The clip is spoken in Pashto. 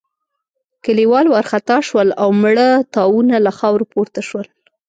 کليوال وارخطا شول او مړه تاوونه له خاورو پورته شول.